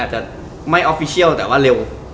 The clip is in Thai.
จริงหรอ